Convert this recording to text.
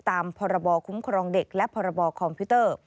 ตามพรบคุ้มครองเด็กและพรบคอมพิวเตอร์